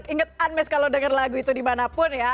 ingat unmes kalau denger lagu itu dimanapun ya